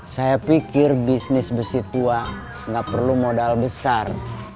saya pikir bisnis besi tua nggak perlu modal besar